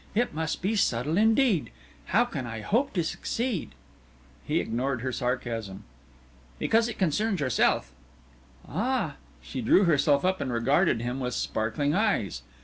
It must be subtle indeed! How can I hope to succeed?" He ignored her sarcasm. "Because it concerns yourself." "Ah!" She drew herself up and regarded him with sparkling eyes.